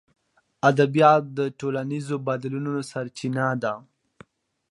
ادبیات د ټولنیزو بدلونونو سرچینه ده.